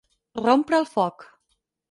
Rompre el foc.